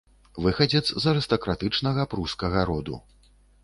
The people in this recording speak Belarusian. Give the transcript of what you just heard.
Выхадзец з арыстакратычнага прускага роду.